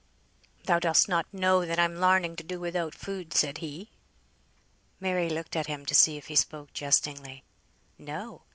"Thou dost not know that I'm larning to do without food," said he. Mary looked at him to see if he spoke jestingly. No!